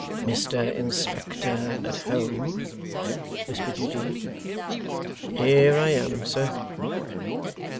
'Mr Inspector at home?' whispered Eugene. 'Here I am, sir.